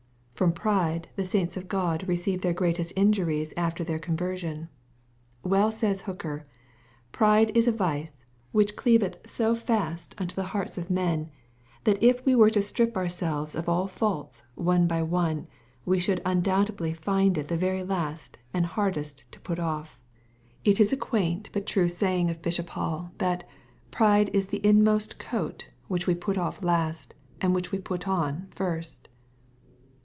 From pride the saints of God receive their greatest injuries after their conversion. Well says Hooker, " Pride is a vice, which cleaveth so fast unto the heart! 256 EXPOSITORY THOUGHTS. of men, that if we vere to strip ourselves of all faults, one by one, we should undoubtedly find it the very last and hardest to put off." It is a quamt but true st^yin^ of Bishop Hall, that " pride is the inmost coat, which wa put off last, and which we put on first."